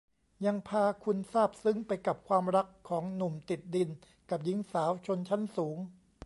ยังพาคุณซาบซึ้งไปกับความรักของหนุ่มติดดินกับหญิงสาวชนชั้นสูง